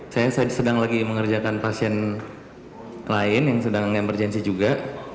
saya sedang lagi mengerjakan pasien lain yang sedang emergensi juga